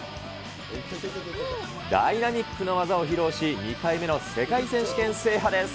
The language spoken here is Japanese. ダイナミックな技を披露し、２回目の世界選手権、制覇です。